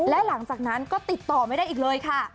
และหลังจากนั้นก็ติดต่อไม่ได้อีกเลยค่ะ